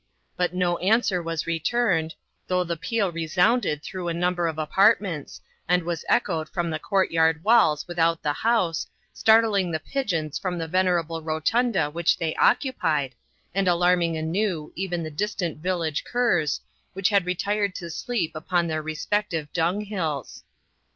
But no answer was returned, though the peal resounded through a number of apartments, and was echoed from the court yard walls without the house, startling the pigeons from the venerable rotunda which they occupied, and alarming anew even the distant village curs, which had retired to sleep upon their respective dunghills.